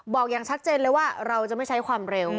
อย่างชัดเจนเลยว่าเราจะไม่ใช้ความเร็ว